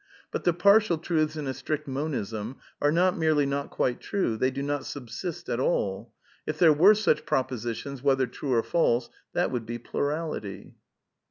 But the partial truths in a strict Monism are not merely not quite true; they do not subsist at alL If there were such propositions, whether true or false^ that would be plurality."